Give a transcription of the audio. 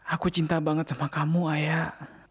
aku cinta banget sama kamu ayah